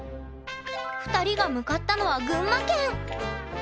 ２人が向かったのは群馬県！